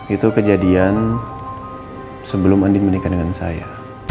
itu kejadian sebelum andi menikah dengan saya